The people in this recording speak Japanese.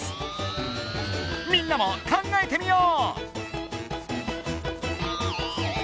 みんなも考えてみよう！